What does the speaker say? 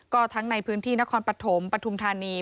ก็ทั้งในพื้นที่นครปฐมปฐุมธานี